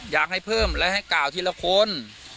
อยากให้เพิ่มและให้กล่าวทีละคน